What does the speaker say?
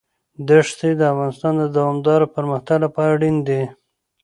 دښتې د افغانستان د دوامداره پرمختګ لپاره اړین دي.